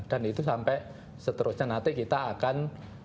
dan itu sampai seterusnya nanti kita akan